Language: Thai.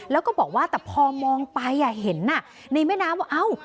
แล้วก็บอกว่าแต่พอมองไปเห็นในแม่น้ำว่าเอ้า